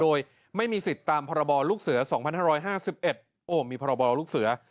โดยไม่มีสิทธิ์ตามพรบลูกเสือ๒๕๕๑โอ้มีพรบลูกเสือ